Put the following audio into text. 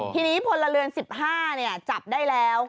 ทีนี้พลเรือน๑๕จับได้แล้ว